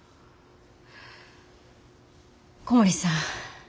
小森さん。